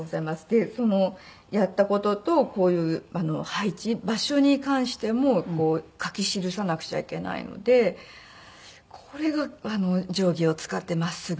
でやった事とこういう配置場所に関しても書き記さなくちゃいけないのでこれが定規を使って真っすぐ書いたりなんか。